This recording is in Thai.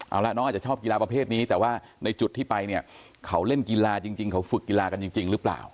เอาละน้องอาจจะชอบกีฬาประเภทนี้แต่ว่าในจุดที่ไปเนี่ยเขาเล่นกีฬาจริงเขาฝึกกีฬากันจริงหรือเปล่า